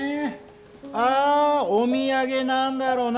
あお土産何だろな。